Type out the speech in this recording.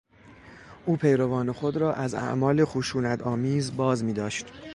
او پیروان خود را از اعمال خشونتآمیز باز میداشت.